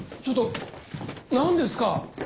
ちょっと何ですか？